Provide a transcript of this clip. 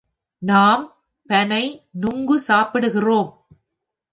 நாம் பனை நுங்கு சாப்பிட்டிருக்கிறோம்.